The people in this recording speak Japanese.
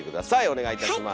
お願いいたします。